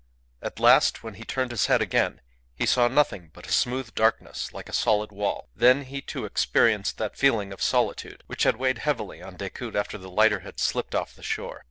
At last, when he turned his head again, he saw nothing but a smooth darkness, like a solid wall. Then he, too, experienced that feeling of solitude which had weighed heavily on Decoud after the lighter had slipped off the shore.